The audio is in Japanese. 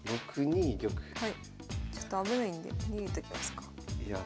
ちょっと危ないんで逃げときますか。